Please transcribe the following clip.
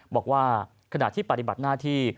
บอกว่าขณะที่ปฏิบัติหน้าที่